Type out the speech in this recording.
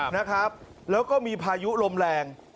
นะครับแล้วก็มีพายุลมแรง